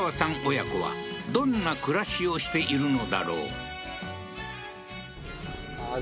親子はどんな暮らしをしているのだろう？